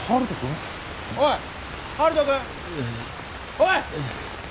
おい！